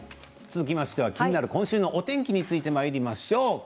続きましては気になる今週末のお天気についてまいりましょう。